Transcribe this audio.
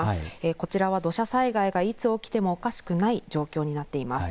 こちらは土砂災害がいつ起きてもおかしくない状況になっています。